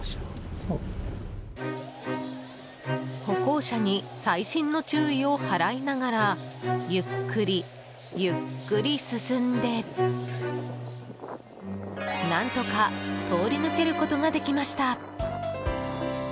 歩行者に細心の注意を払いながらゆっくり、ゆっくり進んで何とか通り抜けることができました。